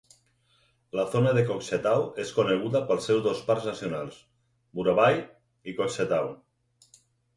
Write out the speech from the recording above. La zona de Kokshetau és coneguda pels seus dos parcs nacionals, Burabay i Kokshetau.